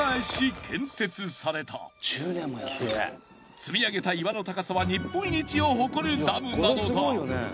積み上げた岩の高さは日本一を誇るダムなのだ！